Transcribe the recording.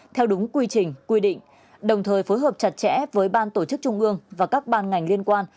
theo đúng quy trình quy định đồng thời phối hợp chặt chẽ với ban tổ chức trung ương và các ban ngành liên quan